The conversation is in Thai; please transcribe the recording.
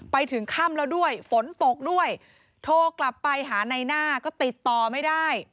ไปถึงค่ำแล้วด้วยฝนตกด้วยโทรกลับไปหาในหน้าก็ติดต่อไม่ได้